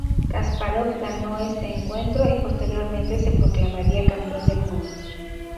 Kaspárov ganó este encuentro y posteriormente se proclamaría campeón de mundo.